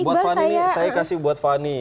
buat fanny ini saya kasih buat fanny